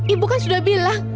ibu kan sudah bilang